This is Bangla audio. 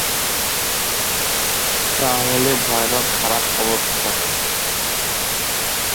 তা হলে ভয়ানক খারাপ অবস্থা!